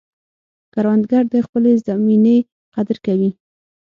کروندګر د خپلې زمینې قدر کوي